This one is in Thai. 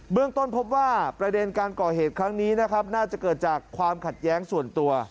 เรื่องต้นพบว่าประเด็นการก่อเหตุครั้งนี้นะครับน่าจะเกิดจากความขัดแย้งส่วนตัว